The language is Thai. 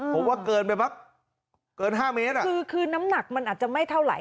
ผมว่าเกินไปมักเกินห้าเมตรอ่ะคือคือน้ำหนักมันอาจจะไม่เท่าไหร่